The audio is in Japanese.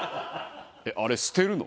えっあれ捨てるの？